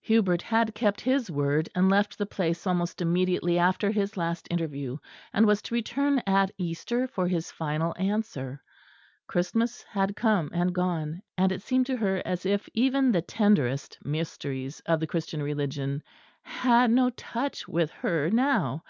Hubert had kept his word, and left the place almost immediately after his last interview; and was to return at Easter for his final answer. Christmas had come and gone; and it seemed to her as if even the tenderest mysteries of the Christian Religion had no touch with her now.